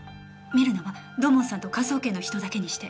見るのは土門さんと科捜研の人だけにして。